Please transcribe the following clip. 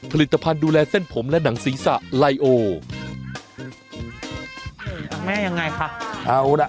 ผลิตภัณฑ์ดูแลเส้นผมและหนังศีรษะไลโอแม่ยังไงคะเอาล่ะ